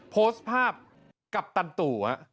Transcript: โพสต์ภาพกัปตันตู่